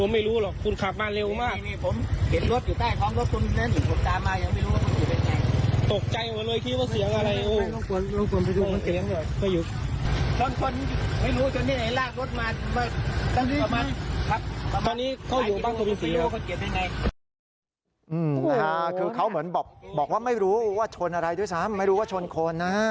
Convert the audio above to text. มีคนขนไม่รู้ว่าชนอะไรด้วยซ้ำไม่รู้ว่าชนคนนะฮะ